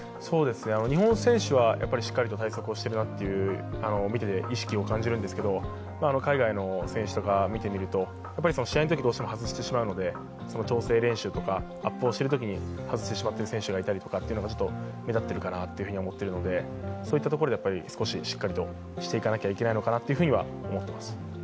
日本選手は対策をしているなという見ていて意識を感じるんですけど海外の選手とかを見てみると、試合のとき、どうしても外してしまうので調整練習とかアップをしているときに外してしまっている選手がいるのが目立っているかなとは思っているので、そういったところで少ししっかりとしていかなきゃいけないのかなと思っています。